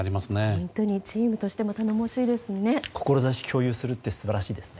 本当にチームとしても頼もしいですね。